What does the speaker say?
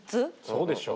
そうでしょう。